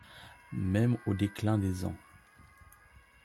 Même au déclin des ans